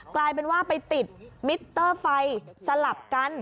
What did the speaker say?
กลายเป็นว่าไปติดมิเตอร์ไฟสลับกัน